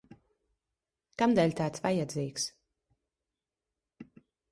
Kamdēļ tāds vajadzīgs?